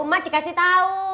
mak dikasih tau